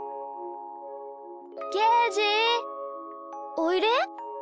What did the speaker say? おいで？